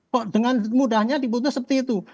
kok dengan mudahnya diputus seperti itu